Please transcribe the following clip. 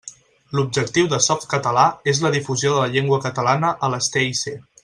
L'objectiu de Softcatalà és la difusió de la llengua catalana a les TIC.